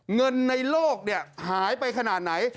เงินในโลกหายไปขนาดไหน